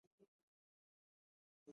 دا یوه لویه دوه پوړیزه ودانۍ وه.